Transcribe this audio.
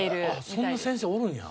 そんな先生おるんや。